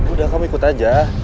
udah kamu ikut aja